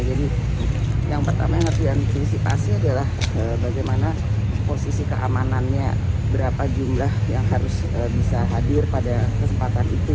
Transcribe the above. jadi yang pertama yang harus diantisipasi adalah bagaimana posisi keamanannya berapa jumlah yang harus bisa hadir pada kesempatan itu